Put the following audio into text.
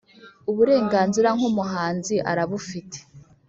Uburenganzira nk ‘umuhanzi arabufite.